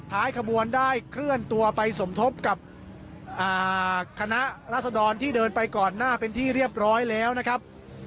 ขบวนได้เคลื่อนตัวไปสมทบกับคณะรัศดรที่เดินไปก่อนหน้าเป็นที่เรียบร้อยแล้วนะครับ